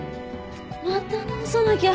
また直さなきゃ。